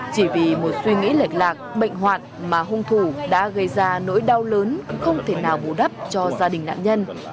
chỉ vì một suy nghĩ lệch lạc bệnh hoạt mà hung thủ đã gây ra nỗi đau lớn không thể nào bù đắp cho gia đình nạn nhân